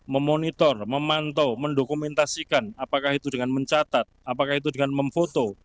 memonitor memantau mendokumentasikan apakah itu dengan mencatat apakah itu dengan memfoto